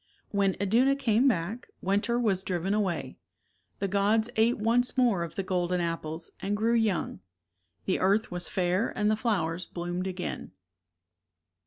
When Iduna came back, winter was driven away. The gods ate once more of the golden apples and grew young; the earth was fair and the flowers bloomed again.